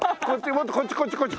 もっとこっちこっちこっち！